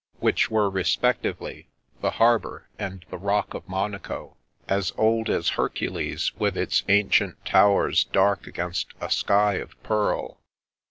which were, respectively, the harbour, and the rock of Monaco (as old as Hercules), with its ancient towers dark against a sky of pearl.